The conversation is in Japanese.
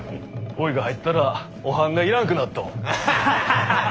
おいが入ったらおはんが要らんくなっど。